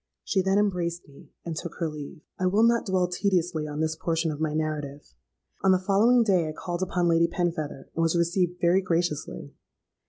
She then embraced me, and took her leave. "I will not dwell tediously on this portion of my narrative. On the following day I called upon Lady Penfeather, and was received very graciously.